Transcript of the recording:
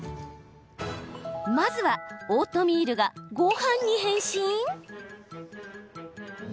まずは、オートミールがごはんに変身？